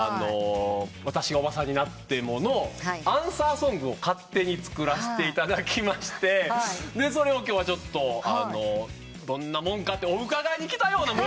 『私がオバさんになっても』のアンサーソングを勝手に作らせていただきましてそれを今日はどんなもんかとお伺いに来たようなもんでして。